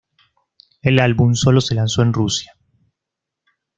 El álbum sólo se lanzó en Rusia.